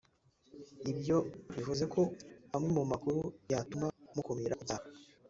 Ibyo bivuze ko amwe mu makuru yatuma mukumira ibyaha